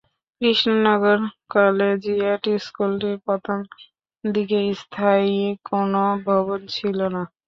Krishnanagar collegiate স্কুলটির প্রথম দিকে স্থায়ী কোনও ভবন ছিল না।